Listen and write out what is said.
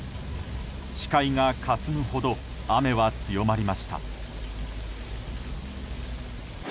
視界がかすむほど雨は強まりました。